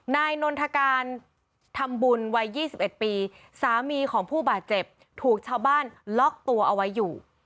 นายนนทการทำบุญวัย๒๑ปีสามีของผู้บาดเจ็บถูกชาวบ้านล็อกตัวเอาไว้อยู่